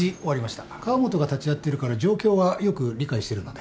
河本が立ち会ってるから状況はよく理解してるので。